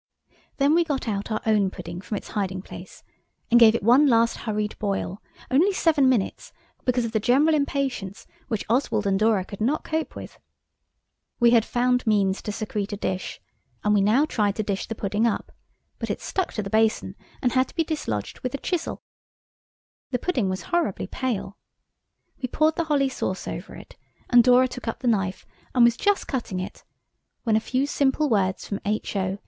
Then we got out our own pudding from its hiding place and gave it one last hurried boil–only seven minutes, because of the general impatience which Oswald and Dora could not cope with. We had found means to secrete a dish, and we now tried to dish the pudding up, but it stuck to the basin, and had to be dislodged with the chisel. The pudding was horribly pale. We poured the holly sauce over it, and Dora took up the knife and was just cutting it when a few simple words from H.O.